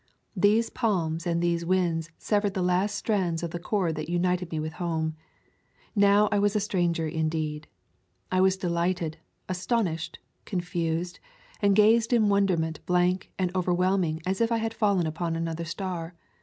These palms and these winds severed the last strands of the cord that united me with home. Now I was a stranger, indeed. I was delighted, aston ished, confounded, and gazed in wonderment blank and overwhelming as if I had fallen upon another star.